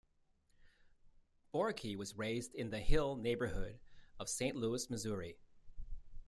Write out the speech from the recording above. Borghi was raised in The Hill neighborhood of Saint Louis, Missouri.